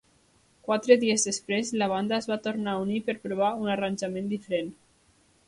Quatre dies després, la banda es va tornar a unir per provar un arranjament diferent.